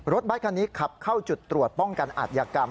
รถบัตรคันนี้ขับเข้าจุดตรวจป้องกันอาทยากรรม